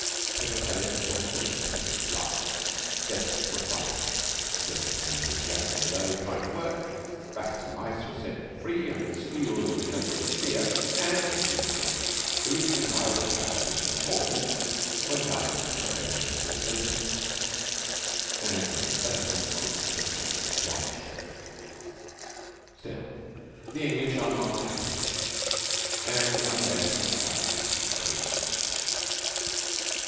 Paper pellets, books, and ink began to fly; desks were thumped; dirty pens were jabbed into those trying to work; rats and mice were set free amid squeals of exaggerated fear; and, as usual, the least desirable characters in the forms were loudest to profess noble sentiments, and most eloquent grief at being misjudged. Still, the English are not happy, and the unrest and slackness increase.